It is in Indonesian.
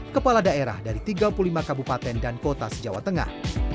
kepala daerah dari tiga puluh lima kabupaten dan kota se jawa tengah